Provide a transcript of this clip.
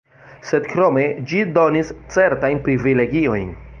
Sed krome ĝi donis certajn privilegiojn.